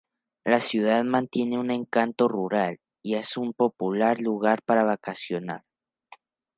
La ciudad mantiene un encanto rural y es un popular lugar para vacacionar.